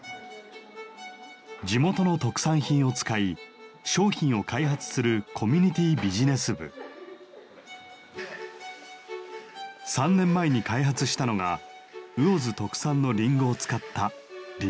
地元の特産品を使い商品を開発する３年前に開発したのが魚津特産のりんごを使ったりんごバター。